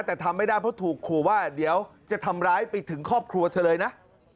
แต่ทำไม่ได้เพราะถูกขู่ว่าเดี๋ยวจะทำร้ายไปถึงครอบครัวเธอเลยนะ